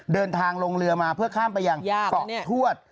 เดินทางลงเรือมาเพื่อข้ามไปยังเกาะทวด